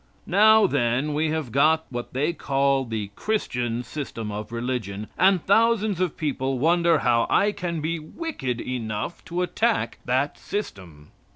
Now, then, we have got what they call the Christian system of religion, and thousands of people wonder how I can be wicked enough to attack that system.